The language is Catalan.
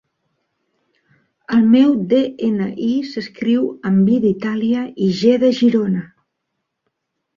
El meu DNI s'escriu amb i d'Itàlia i ge de Girona.